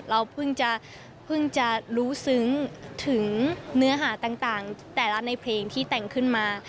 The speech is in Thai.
เราเพิ่งจะเพิ่งจะรู้ซึ้งถึงเนื้อหาต่างแต่ละในเพลงที่แต่งขึ้นมา